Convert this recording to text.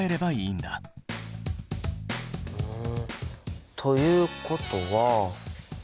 うんということは。